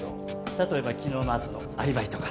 例えば昨日の朝のアリバイとか？